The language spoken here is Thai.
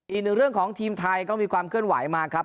อีกหนึ่งเรื่องของทีมไทยก็มีความเคลื่อนไหวมาครับ